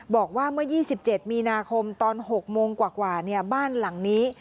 บอกว่าเมื่อยี่สิบเจ็ดมีนาคมตอนหกโมงกว่าเนี่ยบ้านหลังนี้